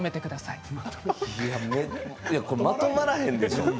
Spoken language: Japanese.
いやまとまらへんでしょ。